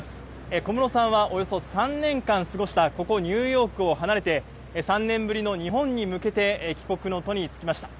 小室さんはおよそ３年間過ごしたここニューヨークを離れて３年ぶりの日本に向けて帰国の途につきました。